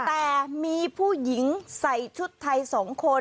แต่มีผู้หญิงใส่ชุดไทย๒คน